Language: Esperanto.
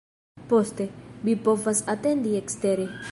Poste; vi povas atendi ekstere.